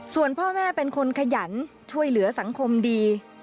ส่วนพ่อแม่เป็นคนขยันช่วยเหลือสังคมดี